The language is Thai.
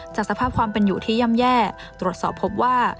สภาพความเป็นอยู่ที่ย่ำแย่ตรวจสอบพบว่า